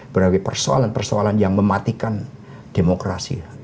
berarti persoalan persoalan yang mematikan demokrasi